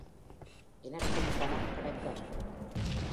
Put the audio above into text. எனக்கும் பணம் கெடைக்கனும.